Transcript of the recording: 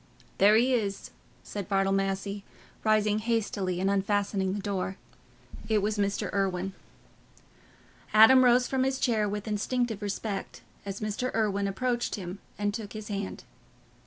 "There he is," said Bartle Massey, rising hastily and unfastening the door. It was Mr. Irwine. Adam rose from his chair with instinctive respect, as Mr. Irwine approached him and took his hand.